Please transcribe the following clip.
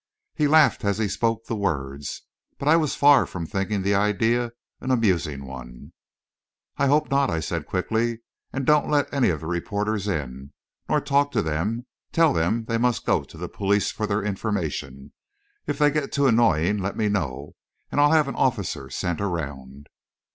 He laughed as he spoke the words, but I was far from thinking the idea an amusing one. "I hope not," I said, quickly. "And don't let any of the reporters in, nor talk to them. Tell them they must go to the police for their information. If they get too annoying, let me know, and I'll have an officer sent around."